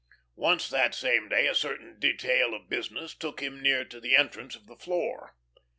Once that same day a certain detail of business took him near to the entrance of the Floor.